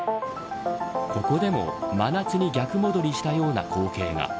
ここでも真夏に逆戻りしたような光景が。